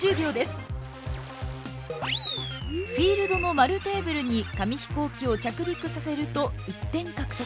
フィールドの円テーブルに紙飛行機を着陸させると１点獲得。